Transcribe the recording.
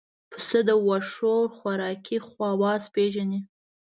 پسه د واښو خوراکي خواص پېژني.